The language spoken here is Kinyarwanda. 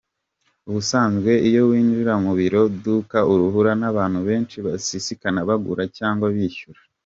Ubusanzwe iyo winjira mu iryo duka uhura n'abantu benshi babisikana bagura cyangwa bishyura.